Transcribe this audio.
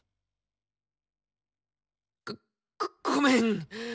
ごごめん。